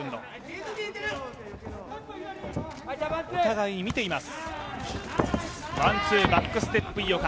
お互いに見ています。